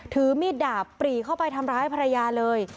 ถือมีดดาบปรีเข้าไปทำร้ายภรรยาเลย